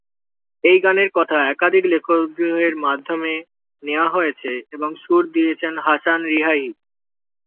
এই গানের কথা একাধিক লেখকের মাধ্যমে নেওয়া হয়েছে এবং সুর দিয়েছেন হাসান রিয়াহি।